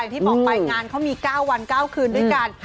ที่บอกไปงานเขามี๙วัน๙คืนด้วยกัน